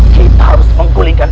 kita harus menggulingkan